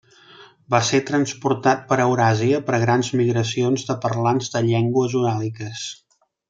Va ser transportat per Euràsia per grans migracions de parlants de llengües uràliques.